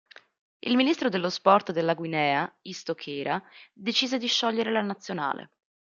Il ministro dello sport della Guinea, Isto Keira, decise di sciogliere la nazionale.